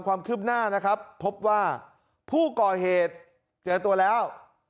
ความคืบหน้านะครับพบว่าผู้ก่อเหตุเจอตัวแล้ว